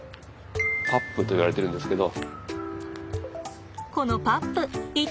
パップといわれているんですけど。